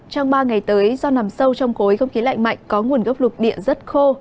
trong ba ngày tới do nằm sâu trong khối không khí lạnh mạnh có nguồn gốc lục địa rất khô